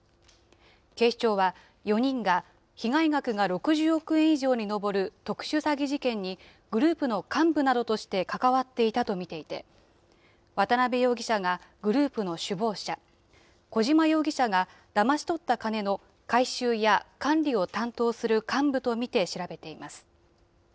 警視庁は４人が被害額が６０億円以上に上る特殊詐欺事件に、グループの幹部などとして関わっていたと見ていて、渡邉容疑者がグループの首謀者、小島容疑者がだまし取った金の回収や管理を担当する幹部と見て調べています。